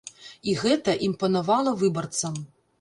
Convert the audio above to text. І гэта імпанавала выбарцам.